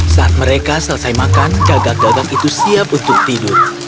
saat mereka selesai makan gagak gagak itu siap untuk tidur